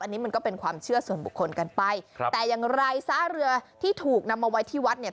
อันนี้มันก็เป็นความเชื่อส่วนบุคคลกันไปครับแต่อย่างไรซะเรือที่ถูกนำมาไว้ที่วัดเนี่ย